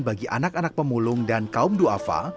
bagi anak anak pemulung dan kaum du'afa